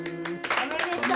・おめでとう！